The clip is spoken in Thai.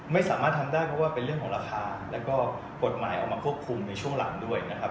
ไม่สามารถทำได้เพราะว่าเป็นเรื่องของราคาแล้วก็กฎหมายออกมาควบคุมในช่วงหลังด้วยนะครับ